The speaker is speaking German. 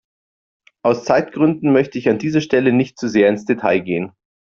Aus Zeitgründen möchte ich an dieser Stelle nicht zu sehr ins Detail gehen.